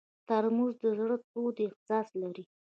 ترموز د زړه تود احساس لري.